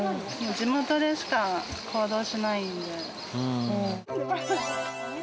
地元でしか行動しないんで。